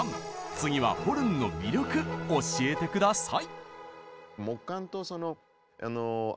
次はホルンの魅力教えて下さい！